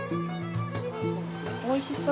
おいしそう。